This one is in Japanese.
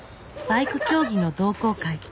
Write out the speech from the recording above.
バイク競技の同好会。